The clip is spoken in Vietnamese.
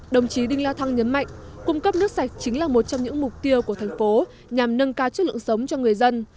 đồng chí đinh la thăng nhấn mạnh cung cấp nước sạch chính là một trong những mục tiêu của thành phố nhằm nâng cao chất lượng sống cho người dân